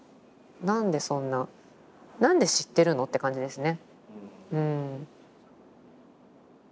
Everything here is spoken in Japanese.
何でそんな何で知ってるの？って感じですね。